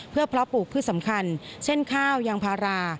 เพื่อเพาะปลูกพืชสำคัญเช่นข้าวยางพารา